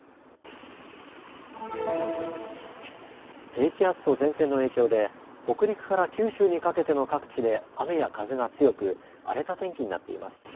低気圧と前線の影響で北陸から九州にかけての各地で雨や風が強く荒れた天気になっています。